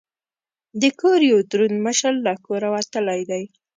د کور یو دروند مشر له کوره وتلی دی.